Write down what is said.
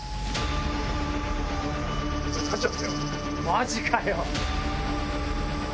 マジかよ！